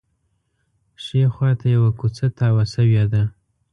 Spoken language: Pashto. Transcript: ښي خوا ته یوه کوڅه تاوه شوې ده.